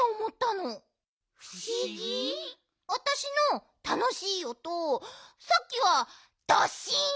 ふしぎ？あたしのたのしいおとさっきは「ドッシン！」